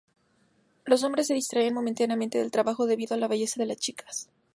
Los hombres se distraen momentáneamente del trabajo, debido a la belleza de las chicas.